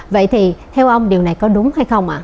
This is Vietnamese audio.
vậy thì theo ông điều này có đúng hay không ạ